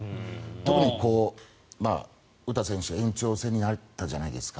特に詩選手が延長戦に入ったじゃないですか。